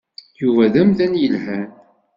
Yuba d amdan yelhan.